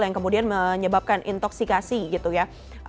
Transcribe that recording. yang kemudian menyebabkan intoksikasi gitu ya